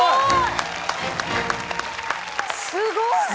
すごい！